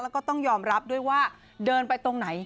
แล้วก็ต้องยอมรับด้วยว่าเดินไปตรงไหน